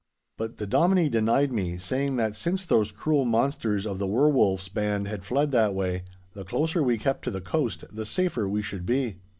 But the Dominie denied me, saying that since those cruel monsters of the were wolfs band had fled that way, the closer we kept to the coast, the safer we should be.